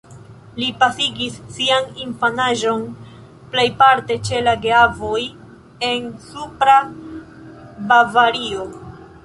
Li pasigis sian infanaĝon plejparte ĉe la geavoj en Supra Bavario.